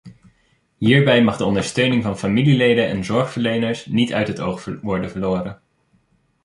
Hierbij mag de ondersteuning van familieleden en zorgverleners niet uit het oog worden verloren.